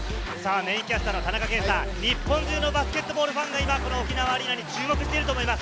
メインキャスターの田中圭さん、日本中のバスケットボールファンが今、沖縄アリーナに注目していると思います。